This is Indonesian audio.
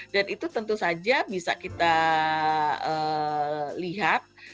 dan itu tentu saja bisa kita lihat